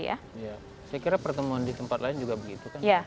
saya kira pertemuan di tempat lain juga begitu kan